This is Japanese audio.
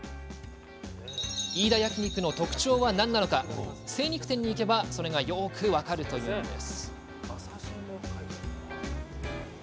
飯田焼肉の特徴は何なのか精肉店に行けばそれがよく分かるというんです。